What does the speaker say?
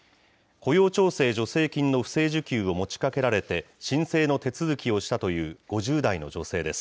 雇用調整助成金の不正受給を持ちかけられて、申請の手続きをしたという５０代の女性です。